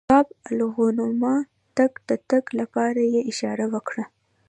باب الغوانمه ته د تګ لپاره یې اشاره وکړه.